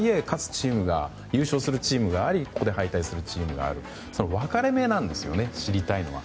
とはいえ優勝するチームがありここで敗退するチームがあるという分かれ目なんですよね知りたいのは。